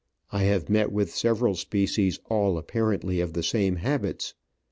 I have met with several species, all apparently of the same habits.